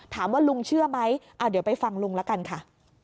ถามว่าลุงเชื่อไหมเดี๋ยวไปฟังลุงแล้วกันค่ะ